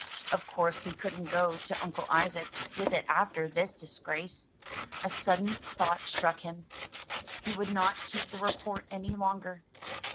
Of course he couldn't go to Uncle Isaac with it after this disgrace. A sudden thought struck him. He would not keep the report any longer.